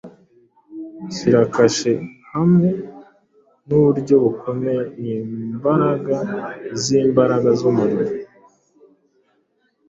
Shyira kashe hamwe nuburyo bukomeye iyi mbaraga zimbaraga zumuriro.